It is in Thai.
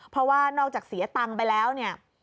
เพราะว่านอกจากเสียตังค์ไปแล้วเนี่ย